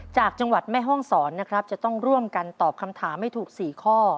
จากจังหวัดแม่ห้องศรนะครับจะต้องร่วมกันตอบคำถามให้ถูก๔ข้อ